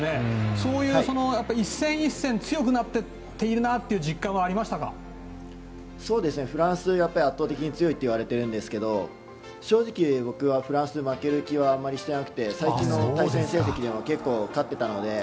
そういう１戦１戦強くなっていってるなというフランスは圧倒的に強いっていわれてるんですけど正直、僕はフランスに負ける気がしなくて最近の成績で結構勝ってたので。